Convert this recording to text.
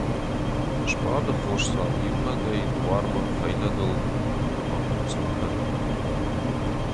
Сбады Хосдзау иунӕгӕй дуармӕ фӕйнӕгыл ӕмӕ хъынцъым кӕны.